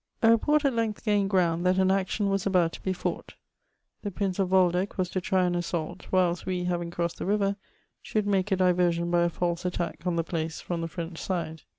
A REPORT at length gained ground tliat an action was about to be fought ; the Prince of Waldeck was to try an assault, whilst we^ having crossed the river, should make a diversion by a false attack on the place from the French side.